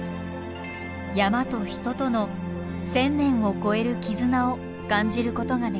山と人との千年を超える絆を感じることができました。